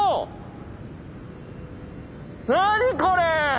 何これ！